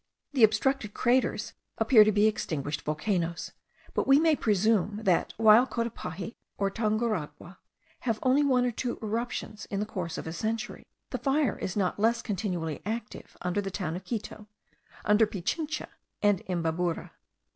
The obstructed craters appear to be extinguished volcanoes; but we may presume, that, while Cotopaxi or Tunguragua have only one or two eruptions in the course of a century, the fire is not less continually active under the town of Quito, under Pichincha and Imbabura.